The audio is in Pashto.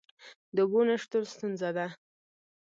د اوبو نشتون ستونزه ده؟